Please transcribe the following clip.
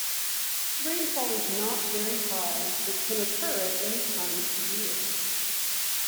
Rainfall is not very high but can occur at any time of the year.